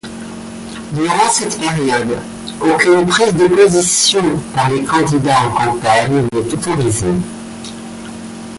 Durant cette période, aucune prise de position par les candidats en campagne n'est autorisé.